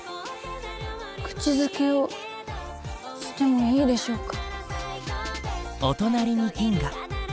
口づけをしてもいいでしょうか。